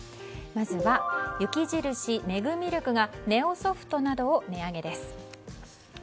まずは雪印メグミルクがネオソフトなどを値上げです。